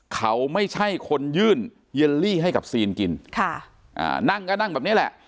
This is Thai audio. เขาไม่ใช่คนยื่นเยลลี่ให้กับซีนกินค่ะอ่านั่งก็นั่งแบบนี้แหละ